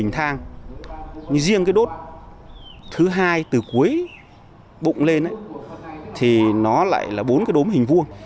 thang riêng cái đốm thứ hai từ cuối bụng lên thì nó lại là bốn cái đốm hình vuông